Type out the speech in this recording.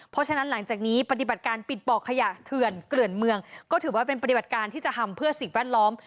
เพราะฉะนั้นหลังจากนี้ปฏิบัติการปิดบ่อขยะเถื่อนเกลื่อนเมืองก็ถือว่าเป็นปฏิบัติการที่จะทำเพื่อสิ่งแวดล้อม